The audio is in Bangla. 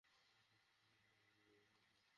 ও জাহাজগুলো উড়িয়ে নিয়ে যাচ্ছে?